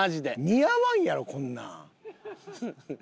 似合わんやろこんなん。